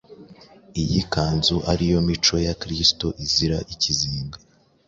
Iyi kanzu ari yo mico ya Kristo izira ikizinga